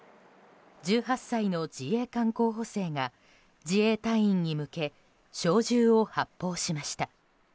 １８歳の自衛官候補生が自衛隊員に向け小銃を発砲しました。